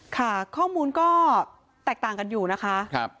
ค่ะข้อมูลก็แตกต่างกันอยู่นะคะ